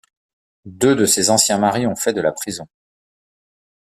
Deux de ses anciens maris ont fait de la prison.